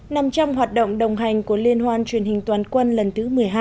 nằm trong hoạt động đồng hành của liên hoan truyền hình toàn quân lần thứ một mươi hai